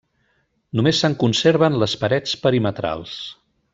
Només se'n conserven les parets perimetrals.